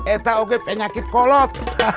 eta oke penyakit kolot